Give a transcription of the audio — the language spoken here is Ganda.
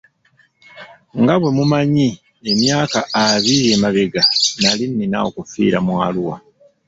Nga bwemumanyi emyaka abiri emabega nali nina okufiira mu Arua.